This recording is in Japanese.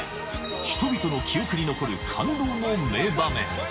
人々の記憶に残る感動の名場